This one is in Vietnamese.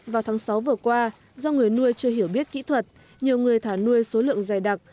vào tháng sáu vừa qua do người nuôi chưa hiểu biết kỹ thuật nhiều người thả nuôi số lượng dày đặc